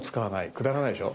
くだらないでしょ。